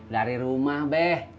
dari rumah be